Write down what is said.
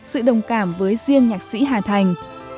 sự đồng cảm với riêng nhạc sĩ hà thành